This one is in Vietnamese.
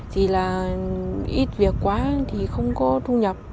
thì là ít việc quá thì không có thu nhập